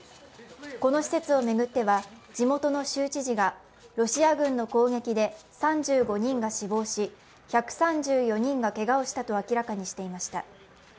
この施設を巡っては地元の州知事がロシア軍の攻撃で３５人が死亡し１３４人がけがをしたと明らかにしていました。